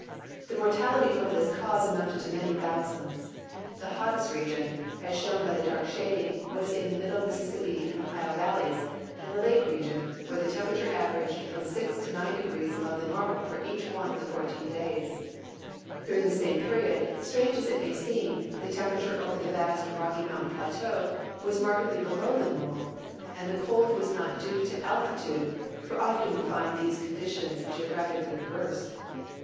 The mortality from tiiis cause amounted to many thousands. 'Die hottest region, as shown by the dark shading, was in the middle ]\Iississi[)i)i and Ohio valleys and the Lake region, where the temperature averaged from six to nine degrees above the normal for each one of the 14 days. During this same {)eriod, strange as it may seem, the temj»erature over the vast Rocky Mountain i)lateau was markedly helow tiie normal, and the cold was not due to altitude, for often we find these conditions geographically reversed.